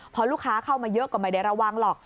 พอลูกค้าเข้ามาเยอะก็ไม่ได้ระวังหรอก